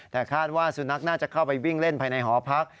แต่คาดว่าสุนัขน่าจะเข้าไปวิ่งเล่นภายในหอพัก